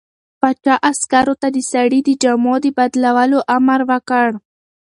پاچا عسکرو ته د سړي د جامو د بدلولو امر وکړ.